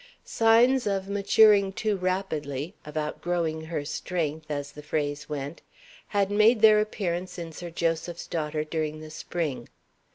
Signs of maturing too rapidly of outgrowing her strength, as the phrase went had made their appearance in Sir Joseph's daughter during the spring.